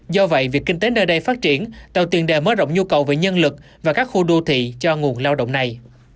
do vậy việc kinh tế nơi đây phát triển tạo tiền đề mới rộng nhu cầu về nhân lực và các khu đô thị cho nguồn lao động này